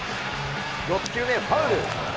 ６球目ファウル。